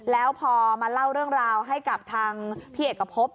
แล้วพอมาเล่าเรื่องราวให้กับทางพี่เอกพบ